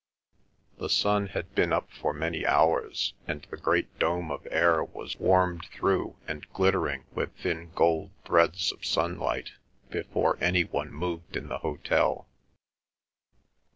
The sun had been up for many hours, and the great dome of air was warmed through and glittering with thin gold threads of sunlight, before any one moved in the hotel.